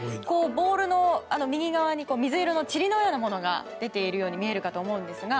ボールの右側に水色のちりのようなものが出ているように見えるかと思うのですが。